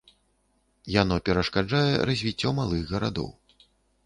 Яно перашкаджае развіццё малых гарадоў.